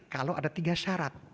kalau ada tiga syarat